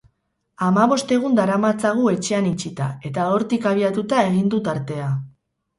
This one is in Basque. Hamabost egun daramatzagu etxean itxita, eta hortik abiatuta egin du tartea.